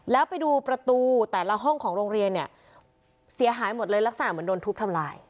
แล้วไปดูประตูแต่ละห้องของโรงเรียนเนี่ยเสียหายหมดเลยลักษณะเหมือนโดนทุบทำลาย